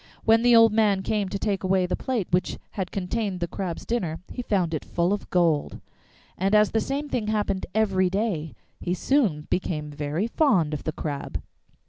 When the old man came to take away the plate which had contained the Crab's dinner, he found it full of gold, and as the same thing happened every day he soon became very fond of the Crab.